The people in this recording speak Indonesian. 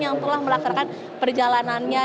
yang telah melakukan perjalanannya